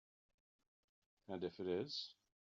And if it is?